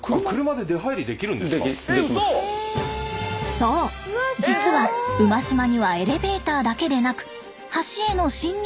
そう実は馬島にはエレベーターだけでなく橋への進入